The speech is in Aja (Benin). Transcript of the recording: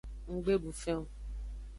Nggbe du fen o.